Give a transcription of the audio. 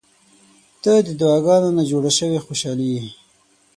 • ته د دعاګانو نه جوړه شوې خوشالي یې.